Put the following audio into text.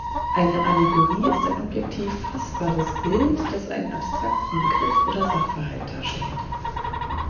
Eine Allegorie ist ein objektiv fassbares Bild, das einen abstrakten Begriff oder Sachverhalt darstellt.